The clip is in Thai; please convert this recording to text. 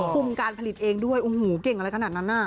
คุมการผลิตเองด้วยโอ้โหเก่งอะไรขนาดนั้นน่ะ